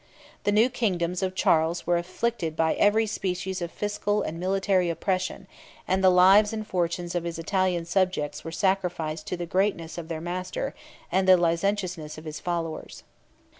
The new kingdoms of Charles were afflicted by every species of fiscal and military oppression; 40 and the lives and fortunes of his Italian subjects were sacrificed to the greatness of their master and the licentiousness of his followers.